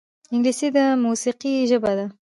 انګلیسي د موسیقۍ ژبه ده